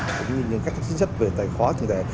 cũng như các chính sách về tài khoá